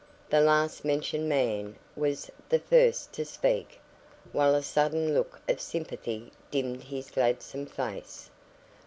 The last mentioned man was the first to speak, while a sudden look of sympathy dimmed his gladsome face.